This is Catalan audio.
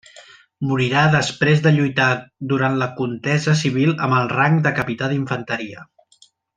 Morirà després de lluitar durant la contesa civil amb el rang de capità d'infanteria.